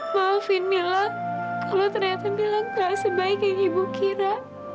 maafin mila kalau ternyata mila gak sebaik yang ibu kira